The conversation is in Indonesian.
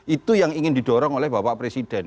itu yang ingin didorong oleh bapak presiden